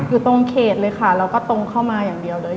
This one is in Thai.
อยู่ตรงเขตเลยค่ะแล้วก็ตรงเข้ามาอย่างเดียวเลย